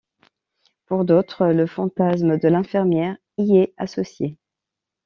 Pour d'autres, le fantasme de l'infirmière y est associé.